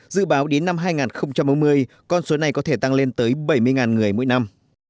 dự báo đến năm hai nghìn bốn mươi con số này có thể tăng lên tới bảy mươi người mỗi năm